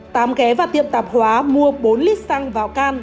tám ghé và tiệm tạp hóa mua bốn lít xăng vào can